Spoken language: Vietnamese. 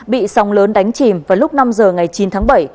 bị sóng lớn đánh chìm vào lúc năm giờ ngày chín tháng bảy